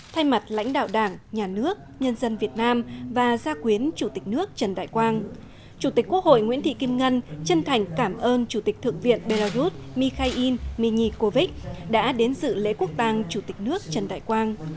thay mặt lãnh đạo đảng nhà nước nhân dân việt nam và gia quyến chủ tịch nước trần đại quang chủ tịch quốc hội nguyễn thị kim ngân chân thành cảm ơn chủ tịch thượng viện belarus mikhail minikovich đã đến dự lễ quốc tàng chủ tịch nước trần đại quang